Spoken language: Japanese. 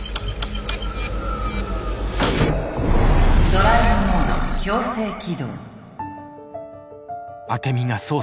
「ドライブモード強制起動」。